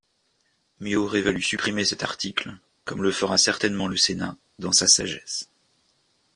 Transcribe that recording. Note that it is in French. Mieux aurait valu supprimer cet article, comme le fera certainement le Sénat, dans sa sagesse.